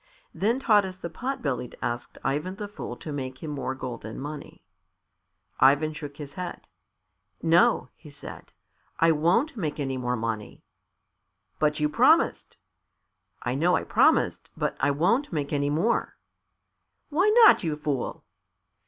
Then Taras the Pot bellied asked Ivan the Fool to make him more golden money. Ivan shook his head. "No," he said; "I won't make any more money." "But you promised." "I know I promised, but I won't make any more." "Why not, you fool?"